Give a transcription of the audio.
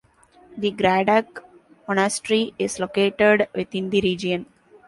The Gradac Monastery is located within the region.